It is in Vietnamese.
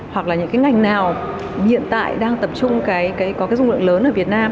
hoặc là những ngành nào hiện tại đang tập trung có dung lượng lớn ở việt nam